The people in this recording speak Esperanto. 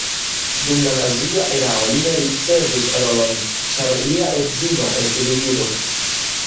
Dum la nazia erao li ne ricevis rolojn, ĉar lia edzino estis judo.